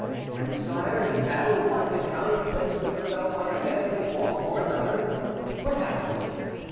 When, sire, in battle one battalion places itself like a menacing wall before another, what happens?